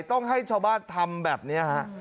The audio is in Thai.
ต้องให้ชาวบ้านทำแบบนี้ฮะ